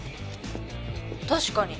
確かに。